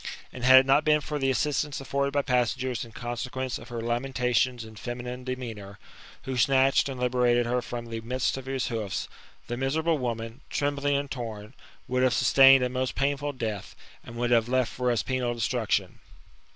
And had it not been for the assistanc afforded by passengers, in conse quence of her lamentations and feminine demeanour, who Snatched and liberated her from the midst of his hoof% the miserable woman, trembling and torn, would ha^ sustained a most painfi^l death, and would . have left for us penal destruc tion."